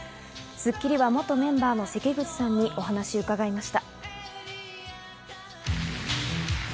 『スッキリ』は元メンバーの関口さんにお話を伺いました。